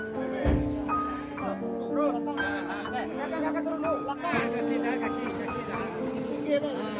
perkat agama ro diffuse